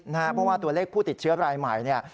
เพราะว่าตัวเลขผู้ติดเชื้อรายใหม่เนี่ย